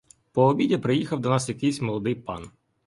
По обіді приїхав до нас якийсь молодий пан.